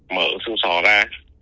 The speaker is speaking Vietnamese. mở xương sò ra